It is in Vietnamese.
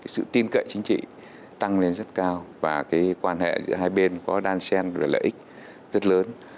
sự tin cậy chính trị tăng lên rất cao và quan hệ giữa hai bên có đan sen lợi ích rất lớn